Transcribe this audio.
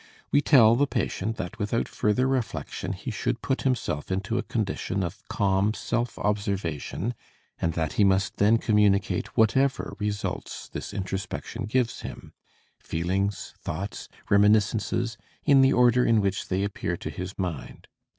We tell the patient that without further reflection he should put himself into a condition of calm self observation and that he must then communicate whatever results this introspection gives him feelings, thoughts, reminiscences, in the order in which they appear to his mind.